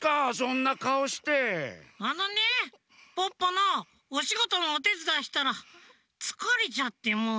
あのねポッポのおしごとのおてつだいしたらつかれちゃってもう。